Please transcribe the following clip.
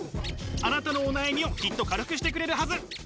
あなたのお悩みをきっと軽くしてくれるはず。